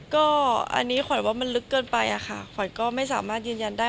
ก็อันนี้คือผมว่ามันลึกเกินไปค่ะผมก็ไม่สามารถยืนยันได้